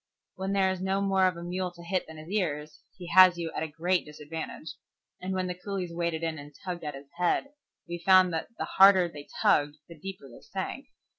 When there is no more of a mule to hit than his ears, he has you at a great disadvantage, and when the coolies waded in and tugged at his head, we found that the harder they tugged, the deeper they sank.